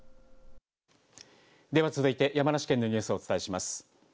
では続いて山梨県のニュースをお伝えします。